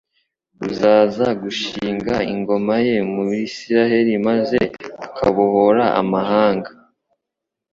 uzaza gushinga ingoma ye mu Isirael maze akabohora amahanga.